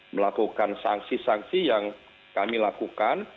melakukan sanksi sanksi yang kami lakukan